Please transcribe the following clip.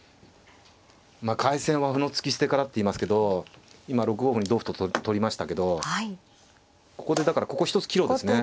まあ「開戦は歩の突き捨てから」っていいますけど今６五歩に同歩と取りましたけどここでだからここ一つ岐路ですね。